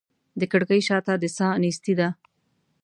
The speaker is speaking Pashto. د کړکۍ شاته د ساه نیستي ده